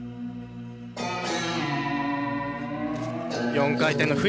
４回転のフリップ。